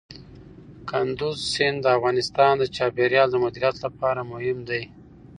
کندز سیند د افغانستان د چاپیریال د مدیریت لپاره مهم دي.